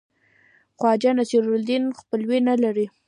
خواجه نصیرالدین خپلوي نه لري.